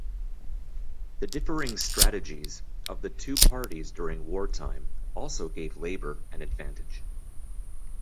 The differing strategies of the two parties during wartime also gave Labour an advantage.